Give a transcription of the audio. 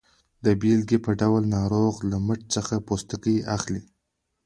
د بیلګې په ډول د ناروغ له مټ څخه پوستکی اخلي.